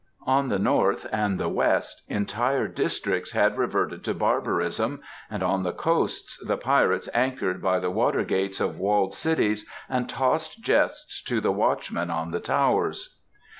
On the north and the west entire districts had reverted to barbarism, and on the coasts the pirates anchored by the water gates of walled cities and tossed jests to the watchmen on the towers.